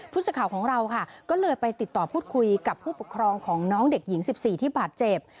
ผู้สื่อข่าวของเราค่ะก็เลยไปติดต่อพูดคุยกับผู้ปกครองของน้องเด็กหญิง๑๔ที่บาดเจ็บ